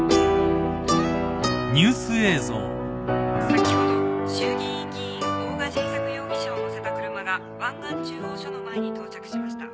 先ほど衆議院議員大賀仁策容疑者を乗せた車が湾岸中央署の前に到着しました。